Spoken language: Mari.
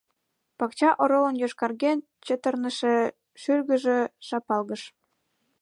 Пакча оролын йошкарген чытырныше шӱргыжӧ шапалгыш.